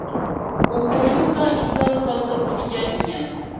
ukuvuga ingaruka zo kurya inyama